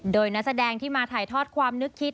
โดยนักแสดงที่มาถ่ายทอดความนึกคิด